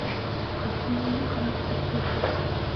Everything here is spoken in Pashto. پښتونولي زموږ کلتور دی